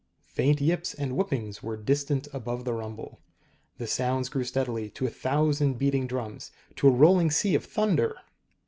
Faint yips and whoopings were distinct above the rumble. The sounds grew steadily to a thousand beating drums to a rolling sea of thunder!